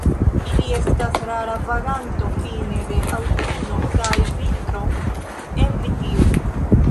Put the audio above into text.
Ili estas rara vaganto fine de aŭtuno kaj vintro en Britio.